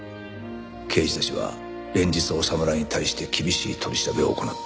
刑事たちは連日長村に対して厳しい取り調べを行った。